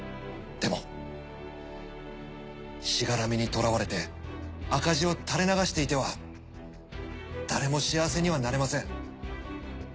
でもしがらみにとらわれて赤字を垂れ流していては誰も幸せにはなれません。